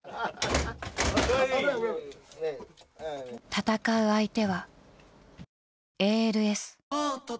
闘う相手はＡＬＳ。